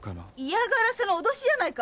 嫌がらせの脅しじゃないか！